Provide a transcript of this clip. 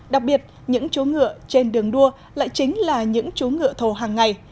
đặc biệt những chú ngựa trên đường đua lại chính là những chú ngựa thồ hàng ngày